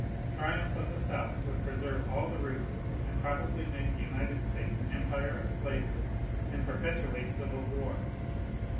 Triumph of the South would preserve all the roots and probably make the United States an empire of slavery and perpetuate civil war.